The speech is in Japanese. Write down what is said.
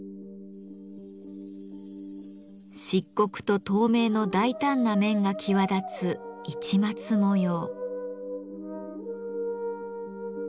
漆黒と透明の大胆な面が際立つ市松模様。